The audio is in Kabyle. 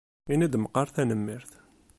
Ini-d meqqar tanemmirt.